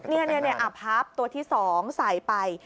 นี่พับตัวที่๒ใส่ไป